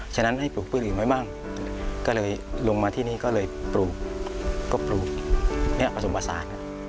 ฉะนั้นให้ปลูกพืชอื่นไว้บ้างก็เลยลงมาที่นี่ก็เลยปลูกก็ปลูกผสมผสาน